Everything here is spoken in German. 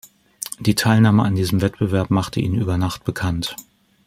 Die Teilnahme an diesem Wettbewerb machte ihn über Nacht bekannt.